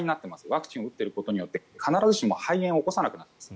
ワクチンを打っていることによって必ずしも肺炎を起こさなくなっています。